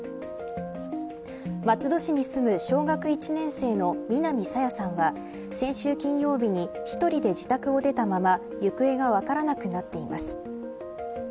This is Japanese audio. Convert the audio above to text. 松戸市に住む小学１年生の南朝芽さんは先週金曜日に一人で自宅を出たまま行方が分からなくなっています。